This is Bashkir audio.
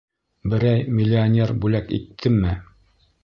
Берәй миллионер бүләк иттеме?